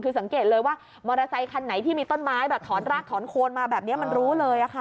คือสังเกตเลยว่ามอเตอร์ไซคันไหนที่มีต้นไม้แบบถอนรากถอนโคนมาแบบนี้มันรู้เลยค่ะ